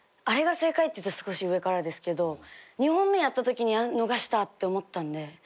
「あれが正解」って言うと少し上からですけど２本目やったときにあっ逃したって思ったんで。